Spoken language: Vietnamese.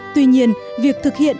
tuy nhiên việc thực hiện